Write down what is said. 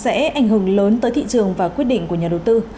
sẽ ảnh hưởng lớn tới thị trường và quyết định của nhà đầu tư